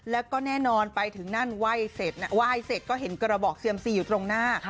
แล้วก็แน่นอนไปถึงนั่นไหว้เสร็จนะไหว้เสร็จก็เห็นกระบอกเซียมซีอยู่ตรงหน้า